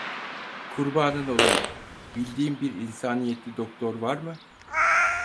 Kurbanın olayım, bildiğin bir insaniyetli doktor var mı?